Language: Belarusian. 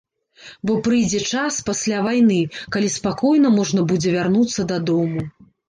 Бо прыйдзе час, пасля вайны, калі спакойна можна будзе вярнуцца дадому.